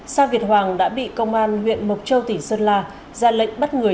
sa việt hoàng đã bị công an huyện mộc châu tỉnh sơn la ra lệnh bắt người